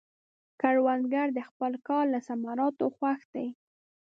کروندګر د خپل کار له ثمراتو خوښ دی